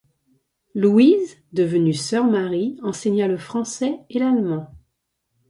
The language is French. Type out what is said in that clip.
Louise - devenue Sœur Marie - enseigna le français et l'allemand.